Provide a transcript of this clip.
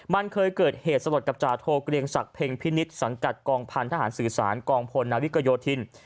มันเคยเกิดเหตุสลดกับจาโทเกรียงศักดิเพ็งพินิษฐ์สังกัดกองพันธหารสื่อสารกองพลนาวิกโยธิน